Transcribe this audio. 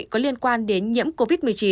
có liên quan đến nhiễm covid một mươi chín